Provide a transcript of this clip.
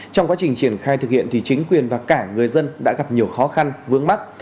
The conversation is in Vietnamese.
trong quá trình triển khai thực hiện thì chính quyền và cả người dân đã gặp nhiều khó khăn vướng mắt